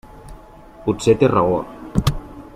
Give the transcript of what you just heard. Potser té raó.